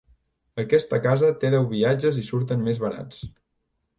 Aquesta casa té deu viatges i surten més barats.